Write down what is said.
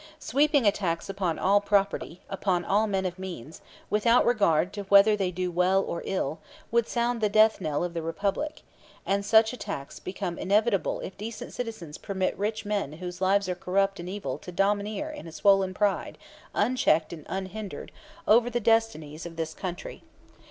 Sweeping attacks upon all property, upon all men of means, without regard to whether they do well or ill, would sound the death knell of the Republic; and such attacks become inevitable if decent citizens permit rich men whose lives are corrupt and evil to domineer in swollen pride, unchecked and unhindered, over the destinies of this country.